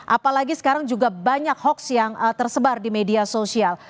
apalagi sekarang juga banyak hoax yang tersebar di media sosial